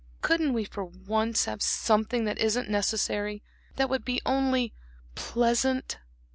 Couldn't we for once have something that isn't necessary, that would be only pleasant?"